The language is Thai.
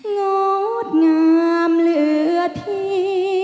งดงามเหลือที่